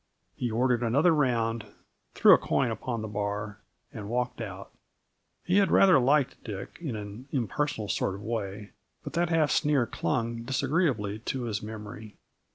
He ordered another round, threw a coin upon the bar, and walked out. He had rather liked Dick, in an impersonal sort of way, but that half sneer clung disagreeably to his memory.